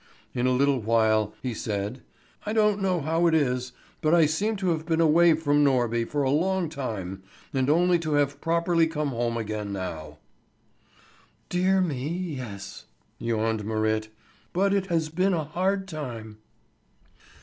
In a little while he said: "I don't know how it is, but I seem to have been away from Norby for a long time, and only to have properly come home again now." "Dear me, yes!" yawned Marit. "But it has been a hard time."